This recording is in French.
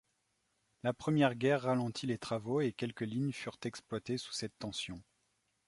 La première guerre ralentit les travaux et quelques lignes furent exploitées sous cette tension.